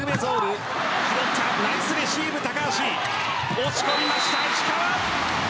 押し込みました、石川。